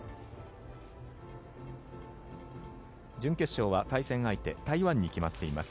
準決勝は対戦相手台湾に決まっています。